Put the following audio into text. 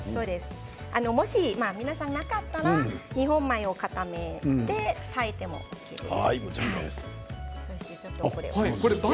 もし皆さんなかったら日本米をかために炊いてもＯＫです。